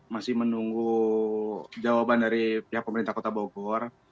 masih menunggu jawaban dari pihak pemerintah kota bogor